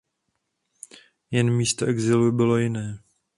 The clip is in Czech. Jen místo exilu bylo jiné.